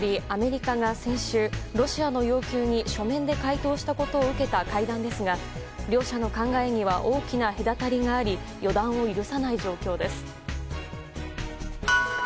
アメリカが先週ロシアの要求に書面で回答したことを受けた会談ですが両者の考えには大きな隔たりがあり予断を許さない状況です。